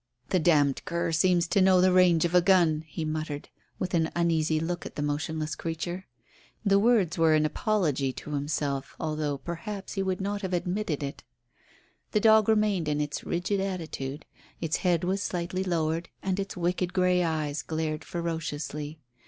"The d d cur seems to know the range of a gun," he muttered, with an uneasy look at the motionless creature. His words were an apology to himself, although perhaps he would not have admitted it. The dog remained in its rigid attitude. Its head was slightly lowered, and its wicked grey eyes glared ferociously.